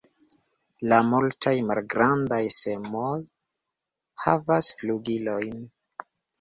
La multaj malgrandaj semoj havas flugilojn.